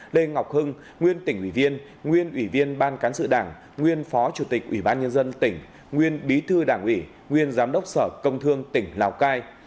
lê ngọc hưng nguyên tỉnh ủy viên nguyên ủy viên ban cán sự đảng nguyên phó chủ tịch ủy ban nhân dân tỉnh nguyên bí thư đảng ủy nguyên giám đốc sở công thương tỉnh lào cai